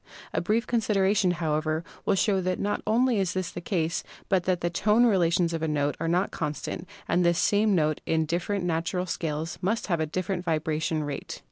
A brief consideration, however, will show that not only is this the case, but that the tone relations of a note are not constant and that the same note in different natural scales must have a different vibration rate.